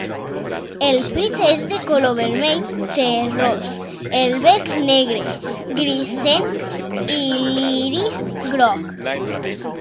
El pit és de color vermell terrós, el bec negre grisenc i l'iris groc.